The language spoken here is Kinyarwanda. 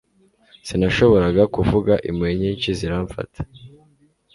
Sinashoboraga kuvuga impuhwe nyinshi ziramfata